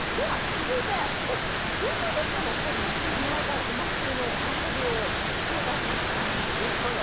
続いて、真空ジェシカのお二人に遊んでもらいたいお祭りの遊びを紹介しますね。